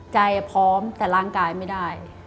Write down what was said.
ใจพร้อมแต่ร่างกายไม่ได้